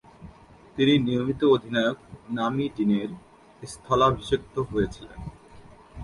তিনি নিয়মিত অধিনায়ক নামি ডিনের স্থলাভিষিক্ত হয়েছিলেন।